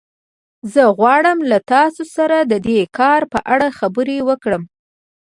زه غواړم له تاسو سره د دې کار په اړه خبرې وکړم